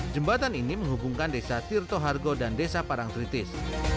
jembatan ini menghubungkan desa tirto hargo dan desa parang tritis